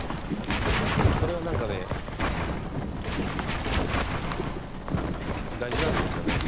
それはなんかね大事なんですよね。